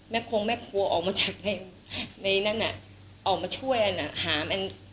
แม่โครงแม่ครัวออกมาจากในนั้นอ่ะออกมาช่วยอันน่ะหามอัน